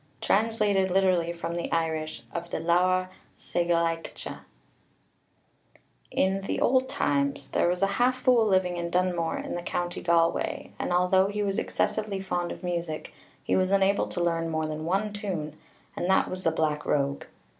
Translated literally from the Irish of the Leabhar Sgeulaigheachta. In the old times, there was a half fool living in Dunmore, in the county Galway, and although he was excessively fond of music, he was unable to learn more than one tune, and that was the "Black Rogue."